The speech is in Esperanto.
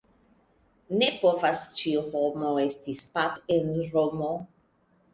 Ne povas ĉiu homo esti pap' en Romo.